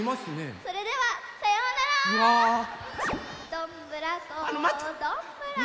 どんぶらこどんぶらこ。